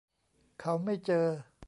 เขาไม่เจอ